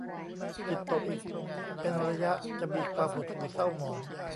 จิตตกอีกเป็นระยะ จะมีความหดหู่เศร้าหมอง